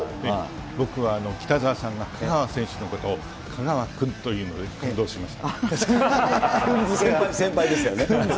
僕は北澤さんが香川選手のことを香川君と言うので、感動しました。